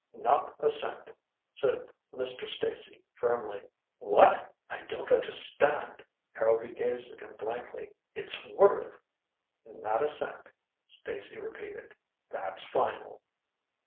"Not a cent," said Mr. Stacy firmly. "What! I don't understand." Harrowby gazed at him blankly. "It's worth " "Not a cent," Stacy repeated. "That's final."